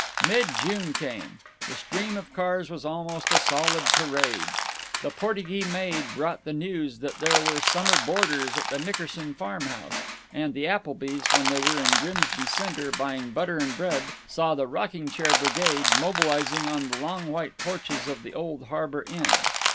Mid June came; the stream of cars was almost a solid parade; the Portygee maid brought the news that there were summer boarders at the Nickerson farm house; and the Applebys, when they were in Grimsby Center buying butter and bread, saw the rocking chair brigade mobilizing on the long white porches of the Old Harbor Inn.